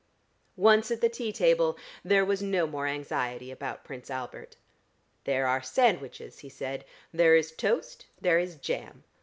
Once at the tea table there was no more anxiety about Prince Albert. "There are sandwiches," he said. "There is toast. There is jam.